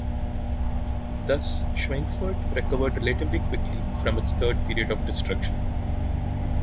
Thus Schweinfurt recovered relatively quickly from its third period of destruction.